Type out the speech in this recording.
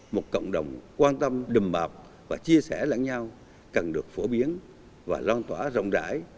một cộng đồng quan tâm đùm bạp và chia sẻ lẫn nhau cần được phổ biến và loan tỏa rộng rãi